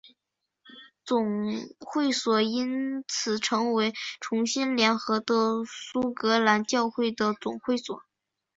总会所因此成为重新联合的苏格兰教会的总会所。